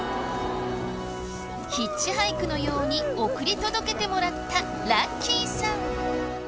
ヒッチハイクのように送り届けてもらったラッキーさん。